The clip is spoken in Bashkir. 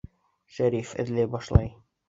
Шәриф эҙләй башлай.